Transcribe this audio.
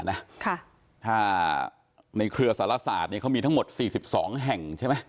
ถ้าในเครือสารศาสตร์เนี่ยเขามีทั้งหมด๔๒แห่งใช่ไหม